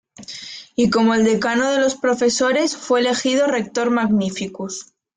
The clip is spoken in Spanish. Y como el decano de los profesores, fue elegido rector magnificus.